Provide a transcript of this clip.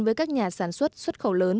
với các nhà sản xuất xuất khẩu lớn